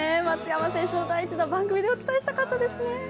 松山選手の第１打、番組でお伝えしたかったですね。